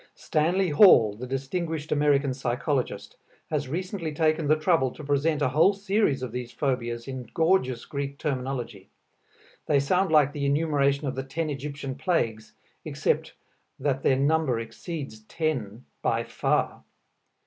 Stanley Hall, the distinguished American psychologist, has recently taken the trouble to present a whole series of these phobias in gorgeous Greek terminology. They sound like the enumeration of the ten Egyptian plagues, except that their number exceeds ten, by far.